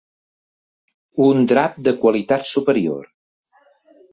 Un drap de qualitat superior.